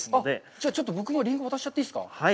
じゃあ、ちょっと僕もリンゴを渡しちゃっていいですか？